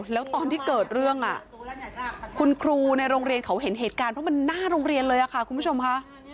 แล้วตอนที่เกิดเรื่องคุณครูในโรงเรียนเขาเห็นเหตุการณ์เพราะมันหน้าโรงเรียนเลยค่ะคุณผู้ชมค่ะ